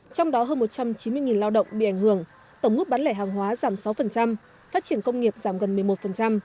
trong đó hơn một trăm chín mươi lao động bị ảnh hưởng tổng mức bán lẻ hàng hóa giảm sáu phát triển công nghiệp giảm gần một mươi một